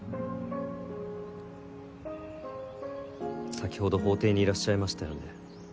先ほど法廷にいらっしゃいましたよね？